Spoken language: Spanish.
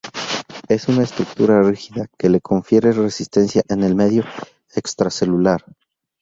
Es una estructura rígida, que le confiere resistencia en el medio extracelular.